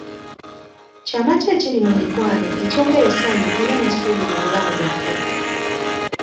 Kyama ki ekiri mu mikwano ekyongera essanyu era n’essuubi mu bulamu bwaffe ?